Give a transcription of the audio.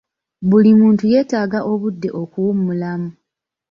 Buli muntu yeetaaga budde okuwummulamu.